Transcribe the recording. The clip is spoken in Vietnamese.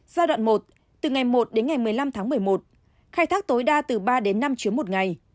giai đoạn một từ ngày một đến ngày một mươi năm tháng một mươi một khai thác tối đa từ ba đến năm chuyến một ngày